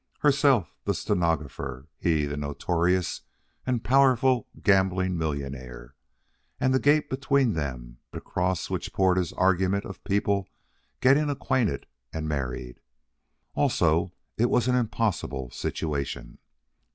Herself, the stenographer, he, the notorious and powerful gambling millionaire, and the gate between them across which poured his argument of people getting acquainted and married. Also, it was an impossible situation.